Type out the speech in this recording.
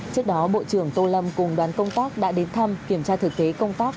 trước đó bộ trưởng tô lâm cùng đoàn công tác đã đến thăm kiểm tra thực tế công tác